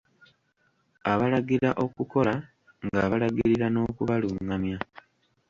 Abalagira okukola ng'abalagirira n'okubalungamya.